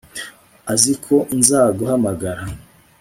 azi ko nzaguhamagara